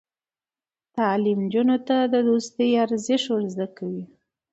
تعلیم نجونو ته د دوستۍ ارزښت ور زده کوي.